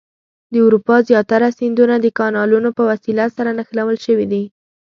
د اروپا زیاتره سیندونه د کانالونو په وسیله سره نښلول شوي دي.